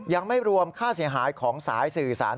ยังไม่รวมค่าเสียหายของสายสื่อสาร